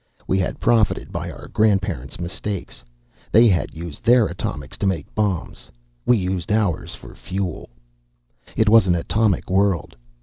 We had profited by our grandparents' mistakes. They had used their atomics to make bombs. We used ours for fuel. It was an atomic world.